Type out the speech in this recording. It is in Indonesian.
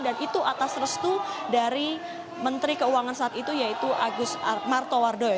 dan itu atas restu dari menteri keuangan saat itu yaitu agus martowardoyo